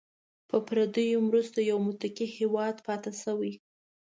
په پردیو مرستو یو متکي هیواد پاتې شوی.